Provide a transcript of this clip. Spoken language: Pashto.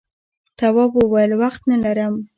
تواب وویل وخت نه لرم.